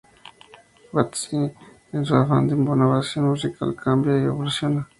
Battisti, en su afán de innovación musical, cambia y evoluciona.